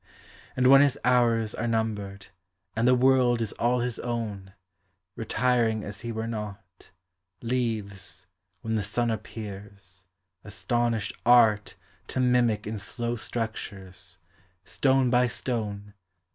And when his hours are numbered, and the world Is all his own, retiring as he were not. Leaves, when the sun appears, astonished Art To mimic in slow structures, stone by stone.